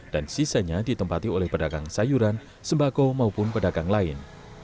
dan sisanya ditempati oleh pedagang sayuran sembako maupun pedagang lain